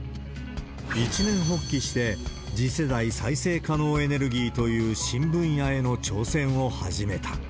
一念発起して、次世代再生可能エネルギーという新分野への挑戦を始めた。